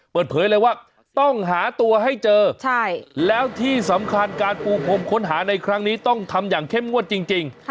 เปิดเผยเลยว่าต้องหาตัวให้เจอแล้วที่สำคัญการปูพรมค้นหาในครั้งนี้ต้องทำอย่างเข้มงวดจริง